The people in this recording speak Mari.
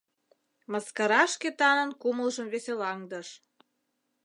Мыскара Шкетанын кумылжым веселаҥдыш.